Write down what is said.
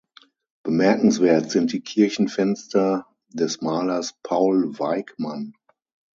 Bemerkenswert sind die Kirchenfenster des Malers Paul Weigmann.